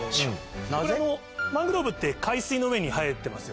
これマングローブって海水の上に生えてますよね。